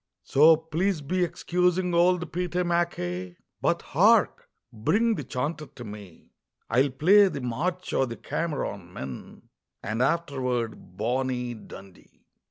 "So please be excusing old Pete MacKay But hark! bring the chanter to me, I'll play the 'March o' the Cameron Men,' And afterward 'Bonnie Dundee.'"